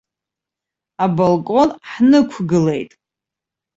Абалкон ҳнықәгылеит.